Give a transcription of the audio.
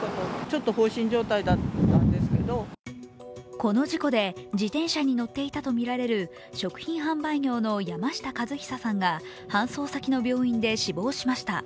この事故で、自転車に乗っていたとみられる食品販売業の山下和久さんが搬送先の病院で死亡しました。